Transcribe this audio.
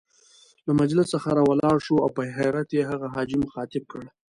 له مجلس څخه را ولاړ شو او په حيرت يې هغه حاجي مخاطب کړ.